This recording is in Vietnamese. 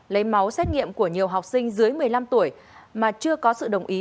lấy máu xét nghiệm của nhiều học sinh dưới một mươi năm tuổi mà chưa có sự đồng ý